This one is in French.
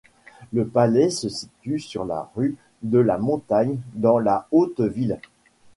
Le palais se situe sur la rue de la Montagne dans la Haute-Ville.